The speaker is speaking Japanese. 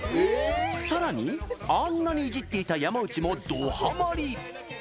さらに、あんなにイジっていた山内もドハマり！